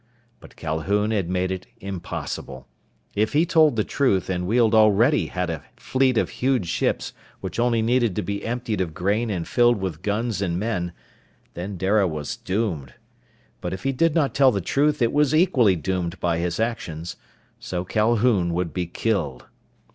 But Calhoun had made it impossible. If he told the truth and Weald already had a fleet of huge ships which only needed to be emptied of grain and filled with guns and men, then Dara was doomed. But if he did not tell the truth it was equally doomed by his actions. So Calhoun would be killed.